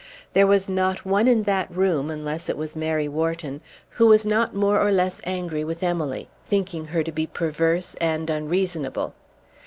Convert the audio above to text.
There was not one in that room, unless it was Mary Wharton, who was not more or less angry with Emily, thinking her to be perverse and unreasonable.